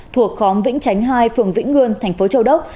thuộc khóm vĩnh chánh hai phường vĩnh ngươn tp châu đốc